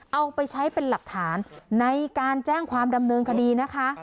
เอาไปใช้เป็นหลักฐานในการแจ้งความดำเนินคดีนะคะ